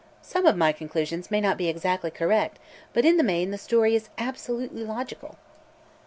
Some of my conclusions may not be exactly correct, but in the main the story is absolutely logical."